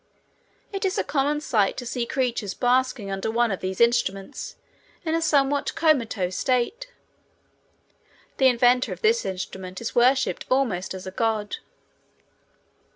It is a common sight to see creatures basking under one of these instruments in a somewhat comatose state. The inventor of this instrument is worshiped almost as a god.